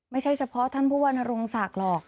ไม่ใช่เฉพาะท่านผู้ว่านโรงศักดิ์หรอก